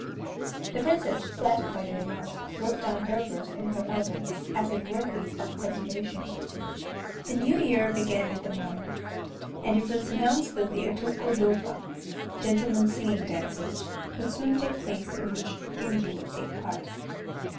The Princess, flattered by the remarks, wrote down her verse in her album, as if worthy of preservation. The New Year began with the morrow; and it was announced that the Otoko dôka (gentlemen's singing dances) would soon take place in which Genji would take part.